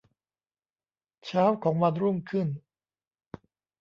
เช้าของวันรุ่งขึ้น